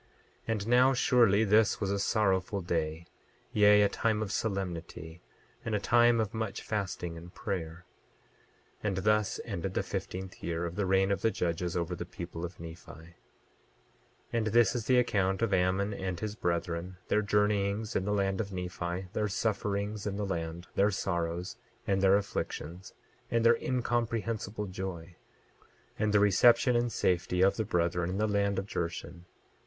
28:6 And now surely this was a sorrowful day; yea, a time of solemnity, and a time of much fasting and prayer. 28:7 And thus endeth the fifteenth year of the reign of the judges over the people of Nephi; 28:8 And this is the account of Ammon and his brethren, their journeyings in the land of Nephi, their sufferings in the land, their sorrows, and their afflictions, and their incomprehensible joy, and the reception and safety of the brethren in the land of Jershon.